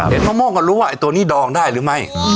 มะม่วงก็รู้ว่าไอ้ตัวนี้ดองได้หรือไม่